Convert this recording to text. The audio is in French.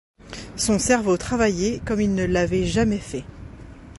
Son cerveau travaillait comme il ne l’avait jamais fait.